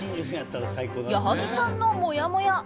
矢作さんのもやもや。